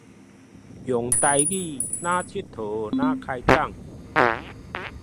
用臺語那 𨑨 迌那開講